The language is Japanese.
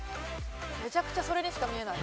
めちゃくちゃそれにしか見えない。